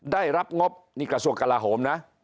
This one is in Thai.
ได้รับงบนี่กระทรวงกลาโหมนะ